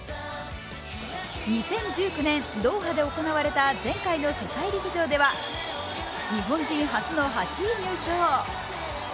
２０１９年、ドーハで行われた前回の世界陸上では日本人初の８位入賞。